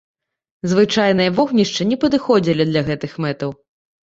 Звычайныя вогнішчы не падыходзілі для гэтых мэтаў.